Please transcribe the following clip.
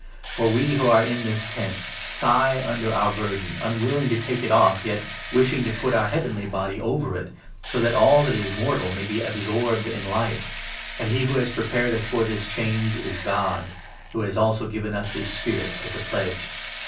For we who are in this ' tent ' sigh under 4 our burden, unwilling to take it off, yet wishing to put our heavenly body over it, so that all that is mortal may be absorbed in Life. And he who has prepared us for this change 5 is God, who has also given us his Spirit as a pledge.